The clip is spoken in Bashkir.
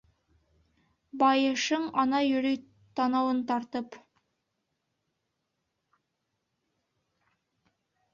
Байышың ана йөрөй танауын тартып.